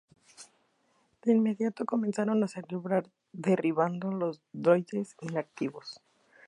De inmediato comenzaron a celebrar derribando los droides inactivos.